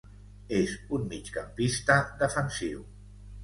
És un migcampista defensiu.